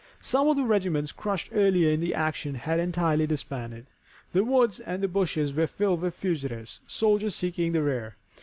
Some of the regiments crushed earlier in the action had entirely disbanded. The woods and the bushes were filled with fugitives, soldiers seeking the rear.